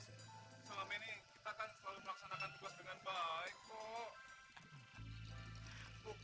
selama ini kita kan selalu melaksanakan tugas dengan baik kok